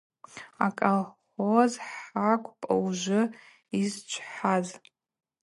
Аколхоз хӏакӏвпӏ ужвы йызчӏвхаз.